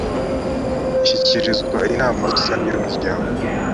ishyikirizwa inama rusange y umuryango